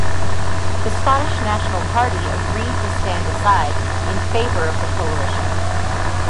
The Scottish National Party agreed to stand aside in favour of the coalition.